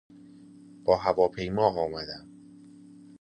با هواپیما آمدم.